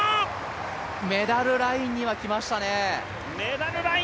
メダルラインには来ましたね。